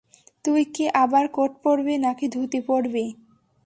তুই কি আবার কোট পড়বি, নাকি ধুতি পড়বি?